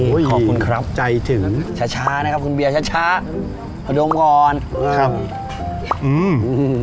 ขอบคุณครับใจถึงช้าช้านะครับคุณเบียร์ช้าช้าดมก่อนครับอืม